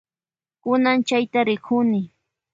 Kunan chayta rikuni.